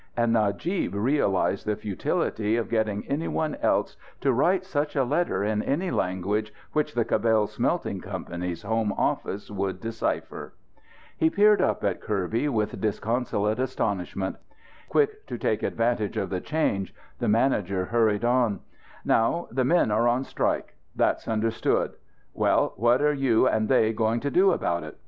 And Najib realized the futility of getting any one else to write such a letter in any language which the Cabell Smelting Company's home office would decipher. He peered up at Kirby with disconsolate astonishment. Quick to take advantage of the change, the manager hurried on: "Now, the men are on strike. That's understood. Well what are you and they going to do about it?